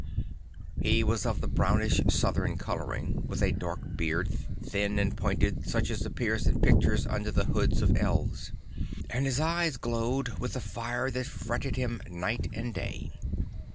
He was of th brownish Southern colouring, with a dark beard thin and pointed such as appears in pictures under the hoods of elves; and his eyes glowed with the fire that fretted him night and day.